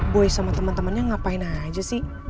boy sama temen temennya ngapain aja sih